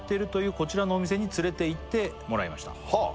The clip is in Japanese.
「こちらのお店に連れていってもらいました」